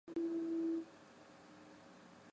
雅雷地区圣克鲁瓦人口变化图示